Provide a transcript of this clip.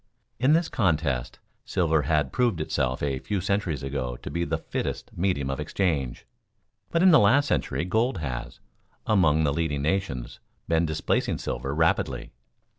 In this contest silver had proved itself a few centuries ago to be the fittest medium of exchange, but in the last century gold has, among the leading nations, been displacing silver rapidly.